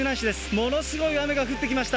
ものすごい雨が降ってきました。